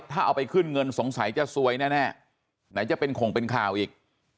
ถ้าเอาไปขึ้นเงินสงสัยจะซวยแน่ไหนจะเป็นข่งเป็นข่าวอีก